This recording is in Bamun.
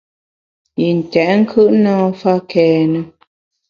Yi ntèt nkùt na mfa kène.